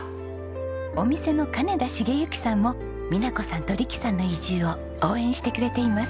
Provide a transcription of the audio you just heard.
お店の金田鎮之さんも美奈子さんと力さんの移住を応援してくれています。